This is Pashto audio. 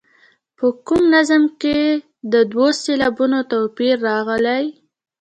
که په کوم نظم کې د دوو سېلابونو توپیر راغلی.